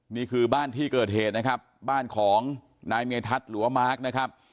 นี่คือบ้านที่เกิดเหตุนะครับบ้านของนายเมธัศน์หรือว่ามาร์คนะครับ